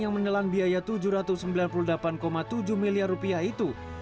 yang menelan biaya tujuh ratus sembilan puluh delapan tujuh miliar rupiah itu